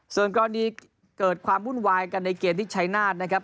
ส่วนกรณีเกิดความวุ่นวายกันในเกมที่ชัยนาธนะครับ